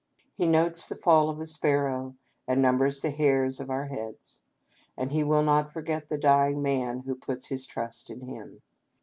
He notes the fall of a sparrow, and numbers the hairs of our heads ; and He will not forget the dying man who puts his trust in Him.